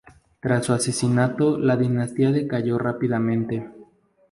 Tras su asesinato la dinastía decayó rápidamente.